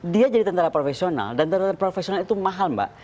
dia jadi tentara profesional dan tentara profesional itu mahal mbak